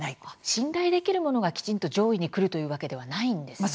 信頼できるものがきちんと上位にくるというわけではないんですね。